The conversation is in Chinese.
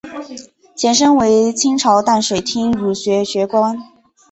前身为清朝淡水厅儒学学宫。